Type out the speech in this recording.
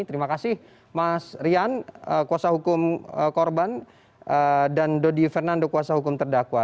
terima kasih mas rian kuasa hukum korban dan dodi fernando kuasa hukum terdakwa